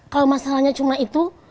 kalau masalahnya cuma itu